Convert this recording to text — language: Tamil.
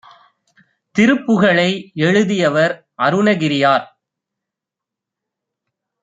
திருப்புகழை எழுதியவர் அருணகிரியார்